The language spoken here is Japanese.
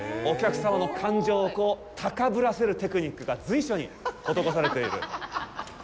お客様の感情をこう高ぶらせるテクニックが随所に施されている。